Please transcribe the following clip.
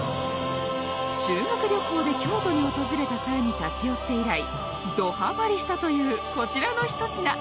修学旅行で京都に訪れた際に立ち寄って以来どハマりしたというこちらのひと品。